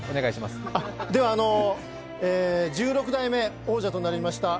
１６代目王者となりました